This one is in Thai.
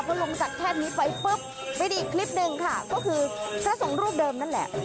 พอลงจากแท่นนี้ไปปุ๊บไปดูอีกคลิปหนึ่งค่ะก็คือพระสงฆ์รูปเดิมนั่นแหละ